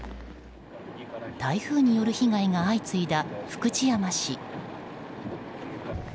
台風による被害が相次いだ福知山市。